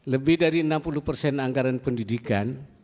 lebih dari enam puluh persen anggaran pendidikan